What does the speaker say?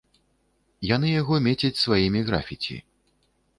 Яны яго мецяць сваімі графіці.